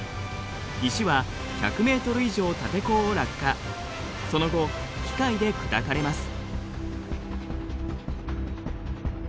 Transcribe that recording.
石は１００ｍ以上立坑を落下その後機械で砕かれます。